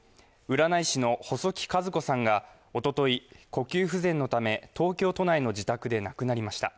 占い師の細木数子さんがおととい、呼吸不全のため東京都内の自宅で亡くなりました。